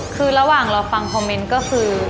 คือระหว่างเราฟังคอมเมนต์ก็คือ